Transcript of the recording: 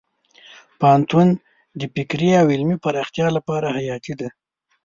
پوهنتون د فکري او علمي پراختیا لپاره حیاتي دی.